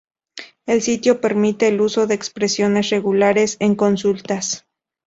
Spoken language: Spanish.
El sitio permite el uso de Expresiones regulares en consultas.